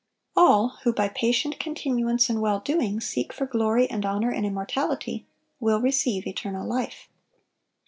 All "who by patient continuance in well doing seek for glory and honor and immortality," will receive "eternal life."